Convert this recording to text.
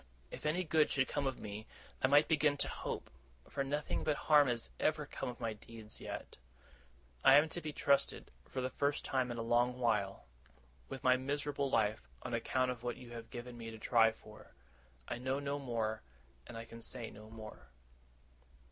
If any good should come of me, I might begin to hope; for nothing but harm has ever come of my deeds yet. I am to be trusted, for the first time in a long while, with my miserable life, on account of what you have given me to try for. I know no more, and I can say no more.